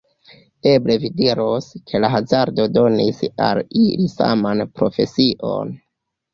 Eble vi diros, ke la hazardo donis al ili saman profesion.